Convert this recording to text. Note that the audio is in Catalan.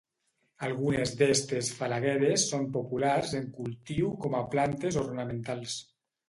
Algunes d'estes falagueres són populars en cultiu com a plantes ornamentals.